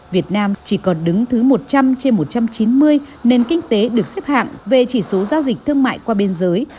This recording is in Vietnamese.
việt nam chỉ còn đứng thứ một trăm linh trên một trăm chín mươi nền kinh tế được xếp hạng về chỉ số giao dịch thương mại qua biên giới